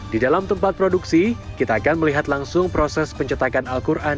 di dalam tempat produksi kita akan melihat langsung proses pencetakan al quran